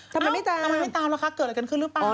ทำไมไม่ตามล่ะคะเกิดอะไรขึ้นหรือเปล่า